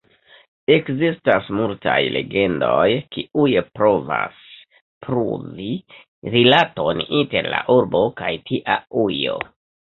Ekzistas multaj legendoj, kiuj provas pruvi rilaton inter la urbo kaj tia ujo.